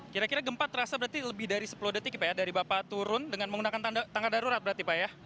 kira kira gempa terasa berarti lebih dari sepuluh detik ya pak ya dari bapak turun dengan menggunakan tangga darurat berarti pak ya